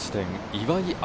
岩井明